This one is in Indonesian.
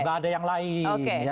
gak ada yang lain ya